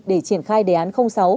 để triển khai đề án sáu